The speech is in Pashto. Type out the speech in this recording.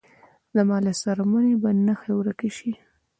زما له څرمنې به نخښې ورکې شې